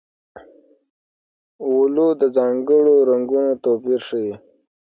اولو د ځانګړو رنګونو توپیر ښيي.